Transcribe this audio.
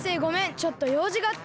ちょっとようじがあって。